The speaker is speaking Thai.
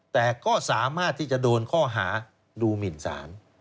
แต่ก็สามารถที่จะโดนข้อหาดูหมินสาร